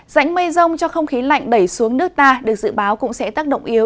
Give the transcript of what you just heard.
dãnh mây rông cho không khí lạnh đẩy xuống nước ta được dự báo cũng sẽ tác động yếu